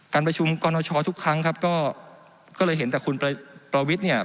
การประชุมกรณชอทุกครั้งครับก็เลยเห็นแต่คุณประวิทย์เนี่ย